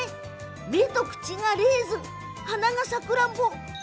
目と口がレーズン鼻がさくらんぼ